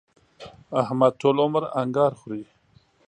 احمد ټول عمر انګار خوري.